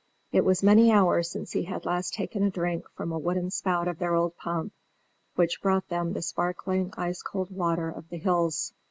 It was many hours since he had last taken a drink from the wooden spout of their old pump, which brought them the sparkling, ice cold water of the hills.